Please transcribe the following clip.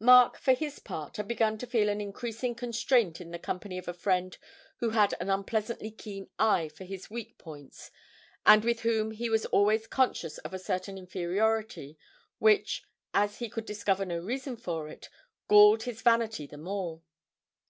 Mark, for his part, had begun to feel an increasing constraint in the company of a friend who had an unpleasantly keen eye for his weak points, and with whom he was always conscious of a certain inferiority which, as he could discover no reason for it, galled his vanity the more.